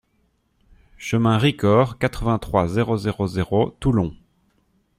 Chemin Ricord, quatre-vingt-trois, zéro zéro zéro Toulon